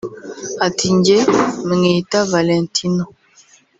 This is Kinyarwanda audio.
Ati “Njye mwita Valentino